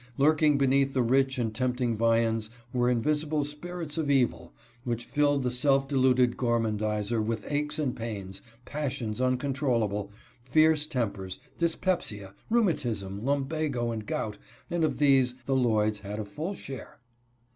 Lurking beneath the rich and tempting viands were invisible spirits of evil, which filled the self deluded gormandizer with aches and pains, passions uncontrollable, fierce tempers, dyspepsia, rheumatism, lumbago, and gout, and of these the Lloyds had a full share.